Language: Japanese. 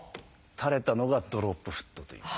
垂れたのが「ドロップフット」という。